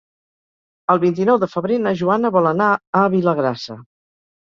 El vint-i-nou de febrer na Joana vol anar a Vilagrassa.